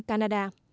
canada và trung quốc